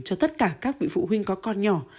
cho tất cả các vị phụ huynh có con nhỏ